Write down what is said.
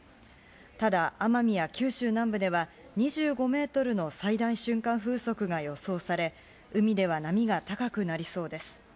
ただ、奄美や九州南部では、２５メートルの最大瞬間風速が予想され、海では波が高くなりそうです。